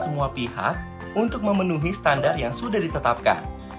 semua pihak untuk memenuhi standar yang sudah ditetapkan